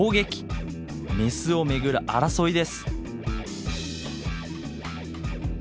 メスを巡る争いです！